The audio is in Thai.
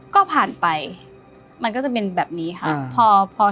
ก็ผ่านไปมันก็จะเป็นแบบนี้ค่ะ